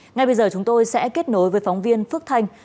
ngay bây giờ chúng tôi sẽ kết nối với phóng viên phước thanh